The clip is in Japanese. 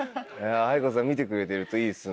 ａｉｋｏさん見てくれてるといいですね。